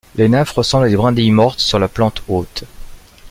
Les nymphes ressemblent à des brindilles mortes, sur la plante hôte.